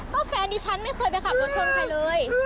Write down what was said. ก็แฟนดิฉันไม่เคยไปขับรถชนใครเลย